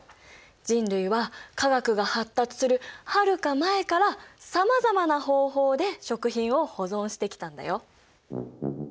人類は化学が発達するはるか前からさまざまな方法で食品を保存してきたんだよ。